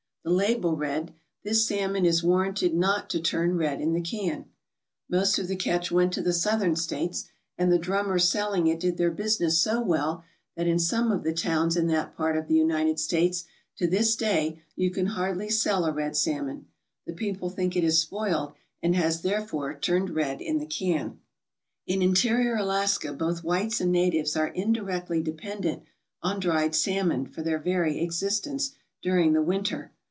The label read: "This salmon is warranted not to turn red in the can." Most of the catch went to the Southern States, and the drummers selling it did their business so well that in some of the towns in that part of 23 ALASKA OUR NORTHERN WONDERLAND the United States to this day you can hardly sell a red salmon. The people think it is spoiled, and has, there fore, turned red in the can. In interior Alaska both whites and natives are in directly dependent on dried salmon for their very exist ence during the winter.